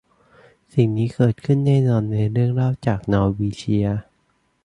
สิ่งนี้เกิดขึ้นแน่นอนในเรื่องเล่าจากนอร์วีเจีย